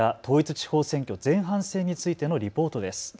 地方選挙前半戦についてのリポートです。